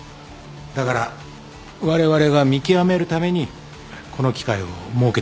だからわれわれが見極めるためにこの機会を設けてもらったんです。